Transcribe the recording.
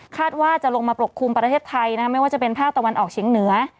ว่าจะลงมาปกคลุมประเทศไทยไม่ว่าจะเป็นภาคตะวันออกเฉียงเหนือ